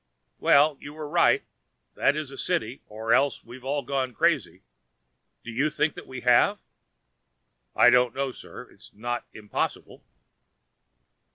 "Well, you were right. That is a city or else we've all gone crazy. Do you think that we have?" "I don't know, sir. It's not impossible."